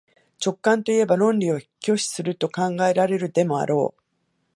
直観といえば論理を拒否すると考えられるでもあろう。